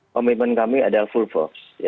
komitmen kami adalah full force